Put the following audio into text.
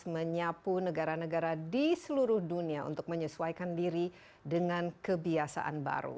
dan menyapu negara negara di seluruh dunia untuk menyesuaikan diri dengan kebiasaan baru